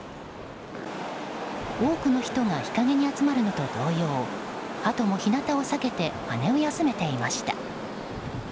多くの人が日陰に集まるのと同様ハトも日なたを避けて羽を休めていました。